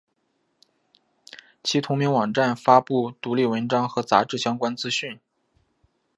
其同名网站发布独立文章和杂志相关资讯。